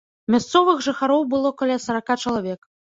Мясцовых жыхароў было каля сарака чалавек.